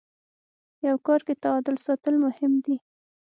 په کار کي تعادل ساتل مهم دي.